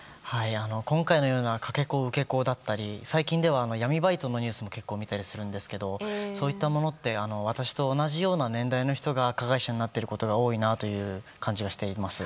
今回のようなかけ子、受け子だったり最近では闇バイトのニュースも結構見たりするんですけれどもそういったものって私と同じような年代の人が加害者になっていることが多いなという感じがしています。